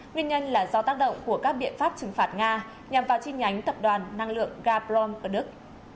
nguyên nhân là do tác động của các biện pháp trừng phạt nga nhằm vào chi nhánh tập đoàn năng lượng gaprom ở đức